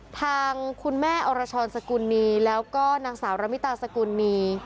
ทางคุณแม่อรชรสกุลนีแล้วก็นางสาวระมิตาสกุลนี